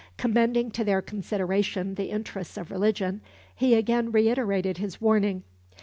Commending to their consideration the interests of religion, he again reiterated his warning.